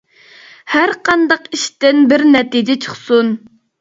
ھەر قانداق ئىشتىن بىر نەتىجە چىقسۇن.